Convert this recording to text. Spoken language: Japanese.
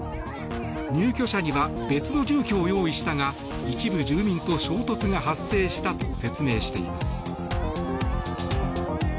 入居者には別の住居を用意したが一部住民と衝突が発生したと説明しています。